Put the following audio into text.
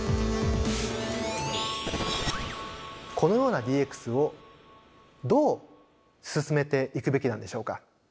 このようなＤＸをどう進めていくべきなんでしょうか。